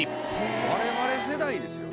我々世代ですよね。